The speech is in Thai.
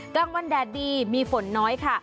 กลางวันแดดดีมีฝนน้อยค่ะ